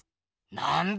なんだ？